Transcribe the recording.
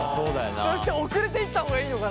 それって遅れて行った方がいいのかな？